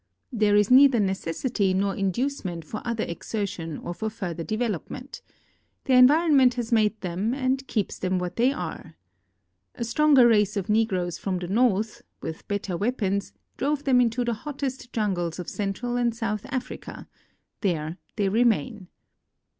There is neither necessity nor inducement for other exertion or for further development. Their environment has made them and keeps them what they are. A stronger race of negroes from the north, with better weapons, drove them into the hottest jungles of Central and South Africa ; there they remain.